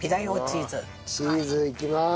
チーズいきます。